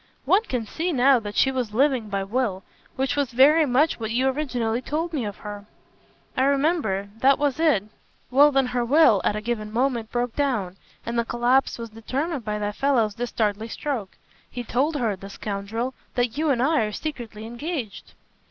"One can see now that she was living by will which was very much what you originally told me of her." "I remember. That was it." "Well then her will, at a given moment, broke down, and the collapse was determined by that fellow's dastardly stroke. He told her, the scoundrel, that you and I are secretly engaged."